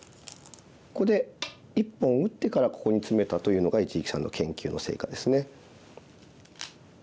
ここで１本打ってからここにツメたというのが一力さんの研究の成果ですね。